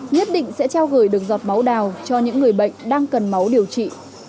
nhất định sẽ trao gửi được giọt máu đào cho những người bệnh đang cần máu điều trị